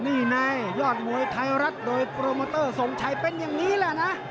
นี่ในยอดมวยไทยรัฐโดยโปรโมเตอร์ทรงชัยเป็นอย่างนี้แหละนะ